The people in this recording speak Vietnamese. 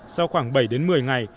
sau khoảng bảy đến một mươi ngày